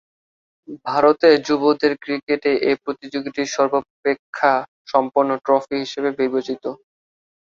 ভারতে যুবদের ক্রিকেটে এ প্রতিযোগিতাটি সর্বাপেক্ষা মর্যাদা সম্পন্ন ট্রফি হিসেবে বিবেচিত।